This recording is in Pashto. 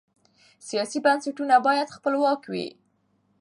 سیاسي بنسټونه باید خپلواک وي